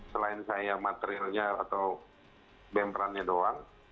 selain saya materialnya atau bemperannya doang